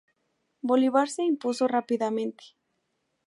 Bolívar se impuso rápidamente.